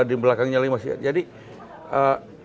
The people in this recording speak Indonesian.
di belakangnya lagi masih ada